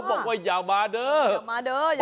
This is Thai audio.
ประใจหรือเปล่าอย่ามาเด้อบ่าเลย